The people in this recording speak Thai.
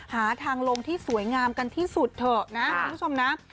หาทางลงที่สวยงามกันที่สุดเถอะนะคุณผู้ชมนะ